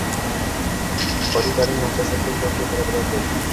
Oliy taʼlim muassasasida oʻqiyotgan talabalardir